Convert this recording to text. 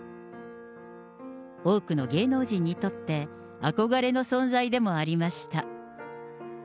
多くの芸能人にとって、憧れの存在でもありました。